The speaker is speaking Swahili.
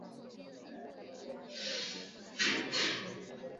Mnyama kuchechemea ni dalili muhimu za ugonjwa wa chambavu